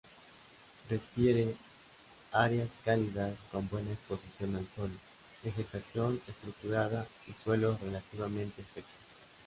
Prefiere áreas cálidas con buena exposición al sol, vegetación estructurada y suelos relativamente secos.